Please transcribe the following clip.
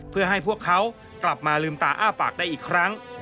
เพื่อให้พวกเขากลับมาลืมตาอ้าปากได้อีกครั้ง